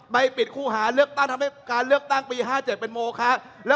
ไบปิดคู่หาเเลือกตั้งเป็นโมคล่ะ